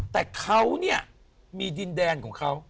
แต่เขาเนี่ยมีดินแดนของเขา